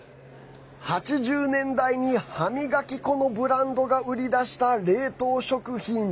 ８０年代に歯磨き粉のブランドが売り出した冷凍食品。